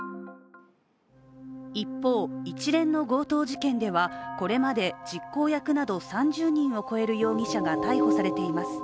一方、一連の強盗事件ではこれまで実行役など３０人を超える容疑者が逮捕されています。